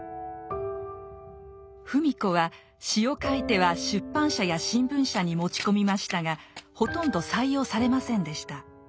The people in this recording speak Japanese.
芙美子は詩を書いては出版社や新聞社に持ち込みましたがほとんど採用されませんでした。